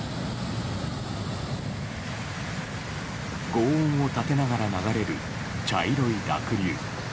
轟音を立てながら流れる茶色い濁流。